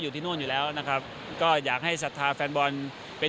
อยู่ที่นู่นอยู่แล้วนะครับก็อยากให้ศรัทธาแฟนบอลเป็น